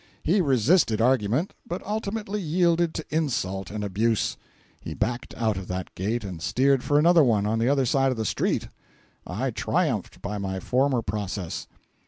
He resisted argument, but ultimately yielded to insult and abuse. He backed out of that gate and steered for another one on the other side of the street. I triumphed by my former process.